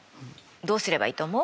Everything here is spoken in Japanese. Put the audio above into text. どうすればいいと思う？